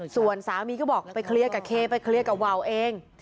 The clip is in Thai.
ส่วนสามีก็บอกไปเคลียร์กับเคไปเคลียร์กับวาวเอง